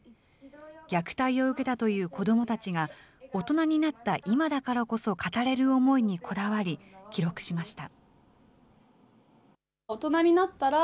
虐待を受けたという子どもたちが、大人になった今だからこそ語れる思いにこだわり、記録しました。